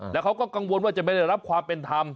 แล้วเขาก็กังวลว่าจะไม่ได้รับความเป็นธรรม